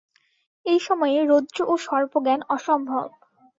এই সময়ে রজ্জু ও সর্প-জ্ঞান অসম্ভব।